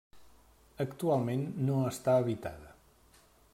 Actualment no està habitada.